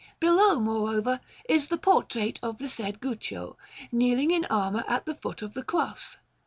Below, moreover, is the portrait of the said Guccio, kneeling in armour at the foot of the Cross.